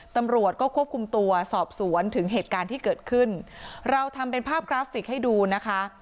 ตำรวจก็ควบคุมตัวสอบสวนถึงเหตุการณ์ที่เกิดขึ้นเราทำเป็นภาพกราฟิกให้ดูนะคะ